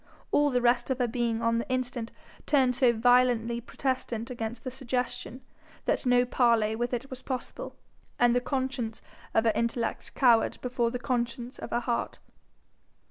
All the rest of her being on the instant turned so violently protestant against the suggestion, that no parley with it was possible, and the conscience of her intellect cowered before the conscience of her heart.